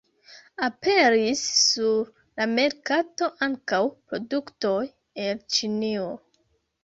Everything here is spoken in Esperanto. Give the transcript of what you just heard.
Aperis sur la merkato ankaŭ produktoj el Ĉinio.